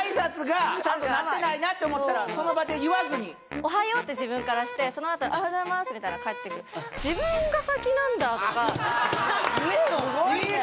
「おはよう」って自分からしてそのあと「おはようございます」みたいの返ってくるいいね！